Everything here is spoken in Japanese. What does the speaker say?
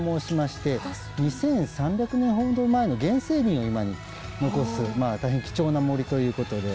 ２３００年ほど前の原生林を今に残す大変貴重な森ということで。